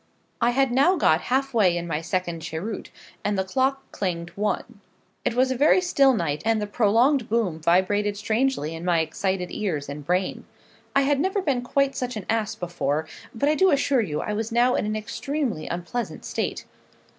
I had now got half way in my second cheroot, and the clock clanged 'one.' It was a very still night, and the prolonged boom vibrated strangely in my excited ears and brain. I had never been quite such an ass before; but I do assure you I was now in an extremely unpleasant state.